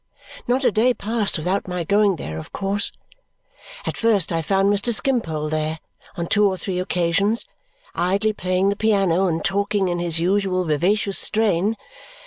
Not a day passed without my going there, of course. At first I found Mr. Skimpole there, on two or three occasions, idly playing the piano and talking in his usual vivacious strain.